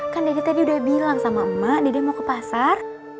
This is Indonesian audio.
kan dari tadi udah bilang sama emak dede mau ke pasar